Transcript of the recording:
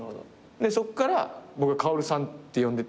そっから僕は「薫さん」って呼んでて。